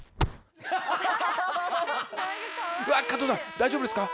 うわっ加藤さん大丈夫ですか？